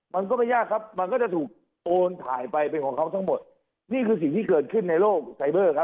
มันก็ไม่ยากครับมันก็จะถูกโอนถ่ายไปเป็นของเขาทั้งหมดนี่คือสิ่งที่เกิดขึ้นในโลกไซเบอร์ครับ